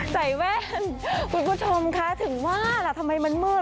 แว่นคุณผู้ชมคะถึงว่าล่ะทำไมมันมืด